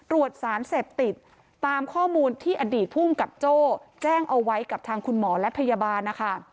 ตรวจสารเสพติดตามข้อมูลที่อดีตภูมิกับโจ้แจ้งเอาไว้กับทางคุณหมอและพยาบาลนะคะ